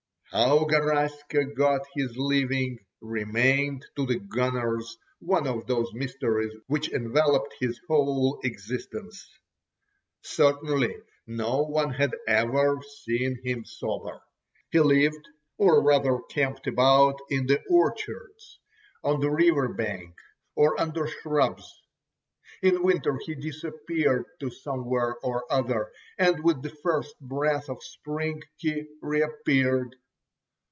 How Garaska got his living, remained to the "gunners" one of those mysteries which enveloped his whole existence. Certainly no one had ever seen him sober. He lived, or rather camped about in the orchards, or the river bank, or under shrubs. In winter he disappeared to somewhere or other, and with the first breath of spring he reappeared.